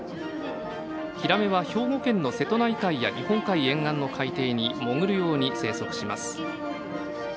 ヒラメは兵庫県の瀬戸内海や日本海沿岸の海底に潜るように生息します。